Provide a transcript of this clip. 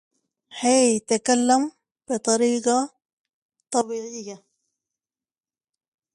Hey, Miss Nosy, can you talk in a normal way?